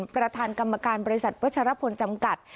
ประธานกรรมการบริษัทวัชรพลจำกัด